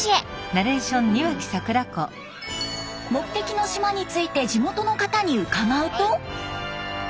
目的の島について地元の方に伺うと。